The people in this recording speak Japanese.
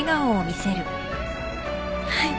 はい。